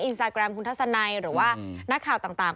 อินสตาแกรมคุณทัศนัยหรือว่านักข่าวต่าง